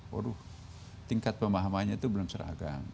waduh tingkat pemahamannya itu belum seragam